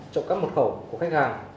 chọn các mật khẩu của khách hàng